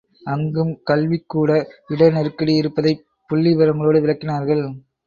அங்கும் கல்விக்கூட இட நெருக்கடி இருப்பதைப் புள்ளி விவரங்களோடு விளக்கினார்கள்.